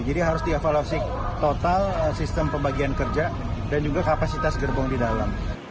jadi harus diavaluasi total sistem pembagian kerja dan juga kapasitas gerbong di dalam